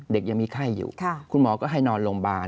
ยังมีไข้อยู่คุณหมอก็ให้นอนโรงพยาบาล